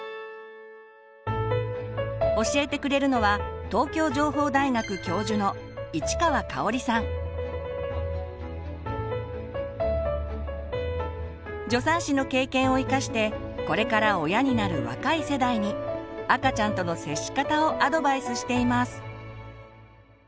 教えてくれるのは助産師の経験を生かしてこれから親になる若い世代に赤ちゃんとの接し方をアドバイスしています。